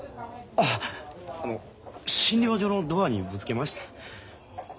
あ診療所のドアにぶつけましてん。